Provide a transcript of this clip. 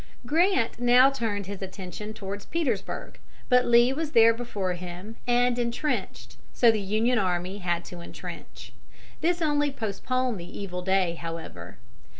Grant now turned his attention towards Petersburg, but Lee was there before him and intrenched, so the Union army had to intrench. This only postponed the evil day, however.